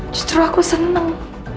justru aku seneng